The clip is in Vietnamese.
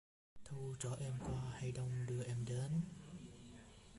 Thu chở em qua hay đông đưa em đến?